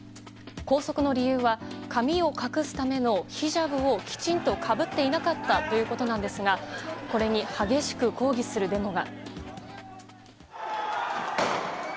拘束の理由は髪を隠すためのヒジャブをきちんとかぶっていなかったということなんですがこれに激しく抗議するデモが。